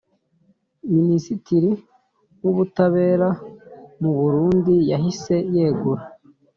minisiti w’ubutabera mu burundi yahise yegura